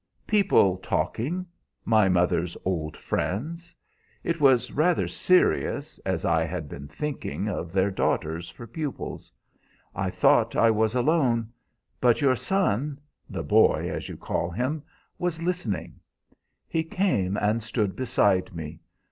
"People talking my mother's old friends. It was rather serious, as I had been thinking of their daughters for pupils. I thought I was alone, but your son the 'boy' as you call him was listening. He came and stood beside me.